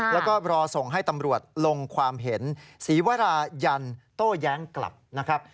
แล้วก็รอส่งให้ตำรวจลงความเห็นศรีวรายันโต้แย้งกลับนะครับ